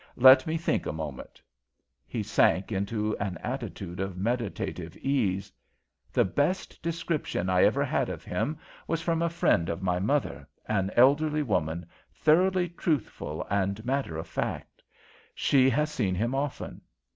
Let me think a moment." He sank into an attitude of meditative ease. "The best description I ever had of him was from a friend of my mother, an elderly woman, thoroughly truthful and matter of fact. She has seen him often.